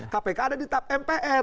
kpk ada di tap mpr